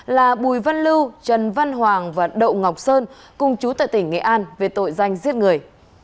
là bùi văn lưu trần văn hoàng và đậu ngọc sơn cùng chú tại tỉnh nghệ an về tội danh giết người